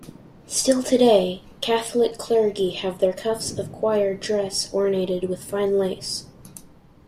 Still today, Catholic clergy have their cuffs of choir dress ornated with fine lace.